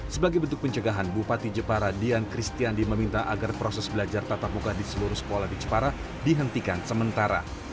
sebagai bentuk pencegahan bupati jepara dian kristiandi meminta agar proses belajar tatap muka di seluruh sekolah di jepara dihentikan sementara